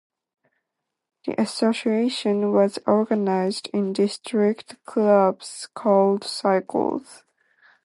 The association was organized in district clubs called circles.